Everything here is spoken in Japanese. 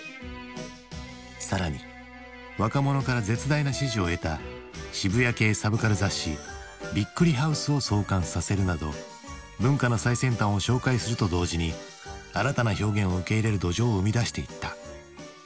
更に若者から絶大な支持を得た渋谷系サブカル雑誌「ビックリハウス」を創刊させるなど文化の最先端を紹介すると同時に新たな表現を受け入れる土壌を生み出していった。